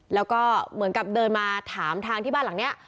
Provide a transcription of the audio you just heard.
แล้วก็เหมือนกับเดินมาถามทางที่บ้านหลังนี้